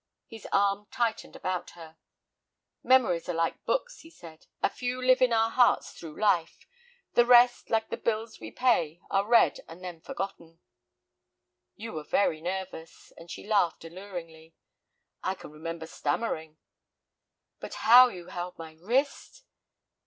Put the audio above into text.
His arm tightened about her. "Memories are like books," he said, "a few live in our hearts through life, the rest, like the bills we pay, are read, and then forgotten." "You were very nervous." And she laughed, alluringly. "I can remember stammering." "And how you held my wrist?"